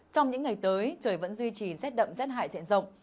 trong những ngày tới trời vẫn duy trì rét đậm rét hại trện rộng